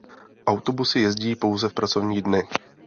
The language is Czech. Autobusy jezdí pouze v pracovní dny.